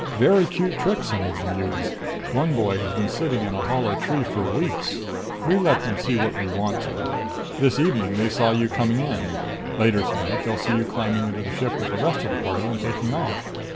Very cute tricks some of them use one boy has been sitting in a hollow tree for weeks. We let them see what we want to. This evening they saw you coming in. Later tonight they'll see you climbing into the ship with the rest of the party and taking off.